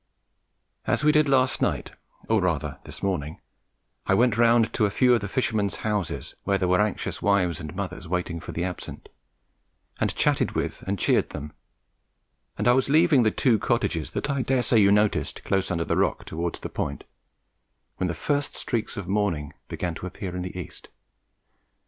As we did last night, or rather this morning, I went round to a few of the fishermen's houses where there were anxious wives and mothers waiting for the absent, and chatted with and cheered them, and I was leaving the two cottages that I daresay you noticed close under the rock towards the Point when the first streaks of morning began to appear in the east.